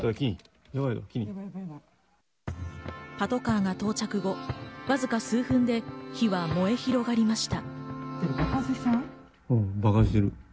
パトカーが到着後、わずか数分で火は燃え広がりました。